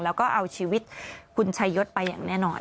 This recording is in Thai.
แล้วก็เอาชีวิตคุณชายศไปอย่างแน่นอน